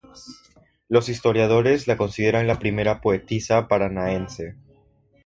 Los historiadores la consideran la primera poetisa paranaense.